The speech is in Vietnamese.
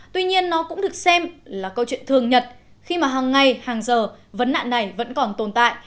tuy nhiên nó cũng được xem là câu chuyện thường nhật khi mà hàng ngày hàng giờ vấn nạn này vẫn còn tồn tại